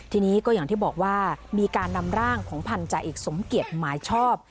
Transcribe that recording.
ทีนี้ก็อย่างที่บอกว่ามีการนำร่างของพันธาเอกสมเกียจหมายชอบ